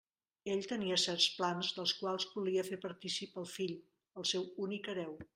Ell tenia certs plans, dels quals volia fer partícip el fill, el seu únic hereu.